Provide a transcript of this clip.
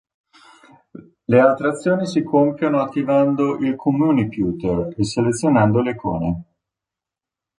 Le altre azioni si compiono attivando il "Communiputer" e selezionando le icone.